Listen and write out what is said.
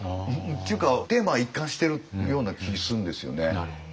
っていうかテーマが一貫しているような気するんですよね。